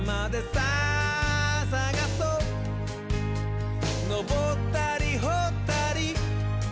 「さあさがそうのぼったりほったり」